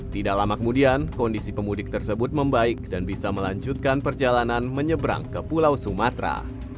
tidak lama kemudian kondisi pemudik tersebut membaik dan bisa melanjutkan perjalanan menyeberang ke pulau sumatera